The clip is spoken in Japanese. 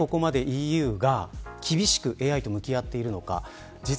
しかしなぜ、ここまでＥＵが厳しくＡＩと向き合っているのか。